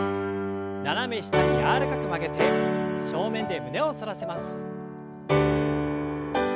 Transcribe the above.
斜め下に柔らかく曲げて正面で胸を反らせます。